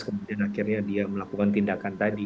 kemudian akhirnya dia melakukan tindakan tadi